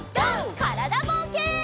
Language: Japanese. からだぼうけん。